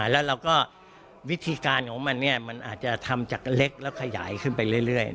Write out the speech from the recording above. แล้วเราก็วิธีการของมันมันอาจจะทำจากเล็กแล้วขยายขึ้นไปเรื่อย